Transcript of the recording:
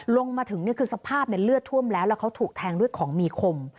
ลงมาถึงคือสภาพเลือดท่วมแล้วแล้วเขาถูกแทงด้วยของมีคม